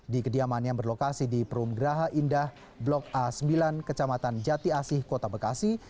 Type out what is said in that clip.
di kediaman yang berlokasi di perum geraha indah blok a sembilan kecamatan jati asih kota bekasi